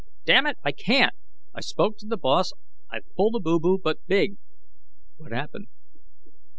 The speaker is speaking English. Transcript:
"Damn it, I can't! I spoke to The Boss. I've pulled a boo boo, but big." "What happened?"